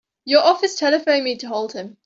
Your office telephoned me to hold him.